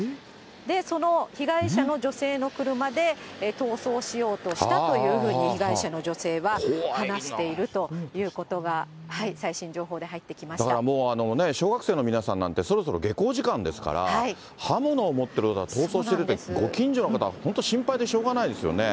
その被害者の女性の車で、逃走しようとしたというふうに被害者の女性は話しているというこだからもう、小学生の皆さんなんかね、そろそろ下校時間ですから、刃物を持っている男が逃走しているって、ご近所の方は本当、心配でしょうがないですよね。